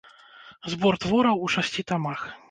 Збор твораў у шасці тамах.